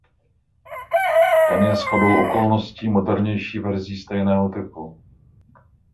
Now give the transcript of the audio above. Ten je shodou okolností modernější verzí stejného typu.